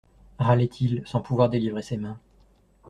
Râlait-il, sans pouvoir délivrer ses mains.